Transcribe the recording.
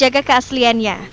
tapi juga menjaga keasliannya